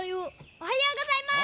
おはようございます！